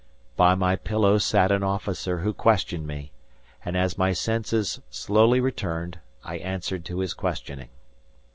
By my pillow sat an officer who questioned me; and as my senses slowly returned, I answered to his questioning.